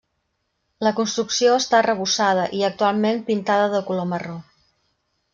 La construcció està arrebossada i, actualment, pintada de color marró.